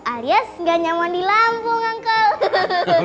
arias gak nyaman di lampung uncle